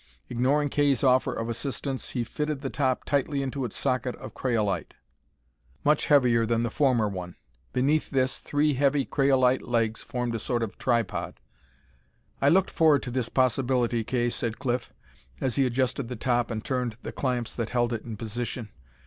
Ignoring Kay's offer of assistance, he fitted the top tightly into its socket of craolite, much heavier than the former one. Beneath this, three heavy craolite legs formed a sort of tripod. "I looked forward to this possibility, Kay," said Cliff, as he adjusted the top and turned the clamps that held it in position.